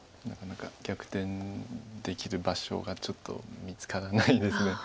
なかなか逆転できる場所がちょっと見つからないです。